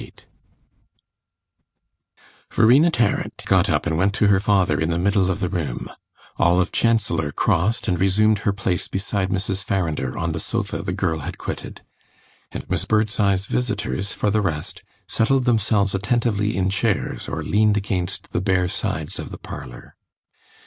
VIII Verena Tarrant got up and went to her father in the middle of the room; Olive Chancellor crossed and resumed her place beside Mrs. Farrinder on the sofa the girl had quitted; and Miss Birdseye's visitors, for the rest, settled themselves attentively in chairs or leaned against the bare sides of the parlour.